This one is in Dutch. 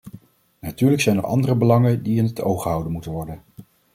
Natuurlijk zijn er andere belangen die in het oog gehouden moeten worden.